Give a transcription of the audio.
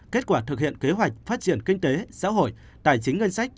kết quả thực hiện kế hoạch phát triển kinh tế xã hội tài chính ngân sách